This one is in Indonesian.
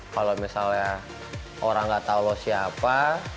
kalau misalnya orang gak tau lu siapa